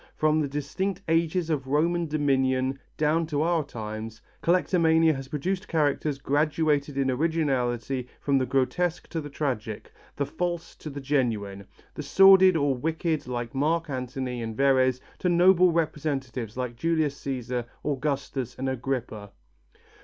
From the distant ages of Roman dominion down to our times, collectomania has produced characters graduated in originality from the grotesque to the tragic, the false to the genuine, the sordid or wicked like Mark Antony and Verres to noble representatives like Julius Cæsar, Augustus and Agrippa.